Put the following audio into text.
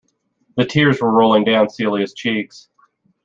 The tears were rolling down Celia's cheeks.